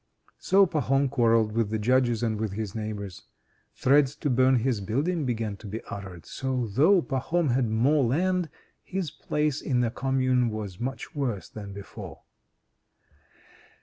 So Pahom quarrelled with the Judges and with his neighbors. Threats to burn his building began to be uttered. So though Pahom had more land, his place in the Commune was much worse than before.